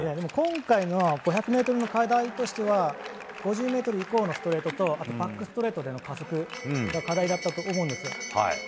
今回の５００ｍの課題として５０ｍ以降のストレートとバックストレートでの加速だったと思うんですよ。